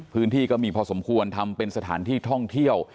ก็มีพอสมควรทำเป็นสถานที่ท่องเที่ยว